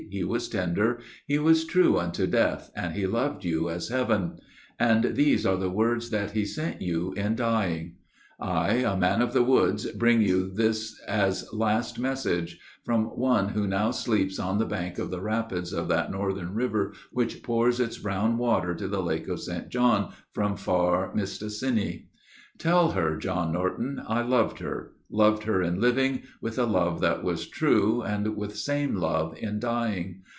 He was tender. He was true unto death, and he loved you as heaven. And these are the words that he sent you in dying. I, a man of the woods, bring you this as last message, From one who now sleeps on the bank of the rapids Of that northern river which pours its brown water To the Lake of St. John from far Mistassinni. 'Tell her, John Norton, I loved her. Loved her in living, With a love that was true, and with same love in dying.